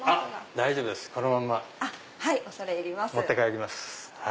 大丈夫ですこのまま持って帰ります。